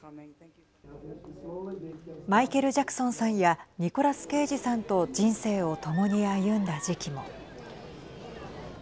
マイケル・ジャクソンさんやニコラス・ケイジさんと人生を共に歩んだ時期も。